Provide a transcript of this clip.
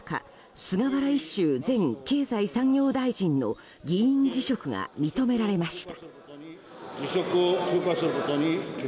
菅原一秀前経済産業大臣の議員辞職が認められました。